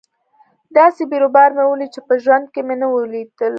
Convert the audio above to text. داسې بيروبار مې وليد چې په ژوند کښې مې نه و ليدلى.